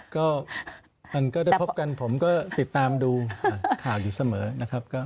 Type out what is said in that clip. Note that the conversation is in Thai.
ก็มันก็ได้พบกันผมก็ติดตามดูข่าวอยู่เสมอนะครับ